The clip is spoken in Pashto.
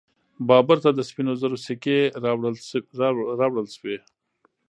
بابر ته د سپینو زرو سکې راوړل سوې.